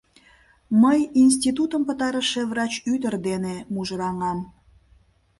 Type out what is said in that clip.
Мый институтым пытарыше врач ӱдыр дене мужыраҥам!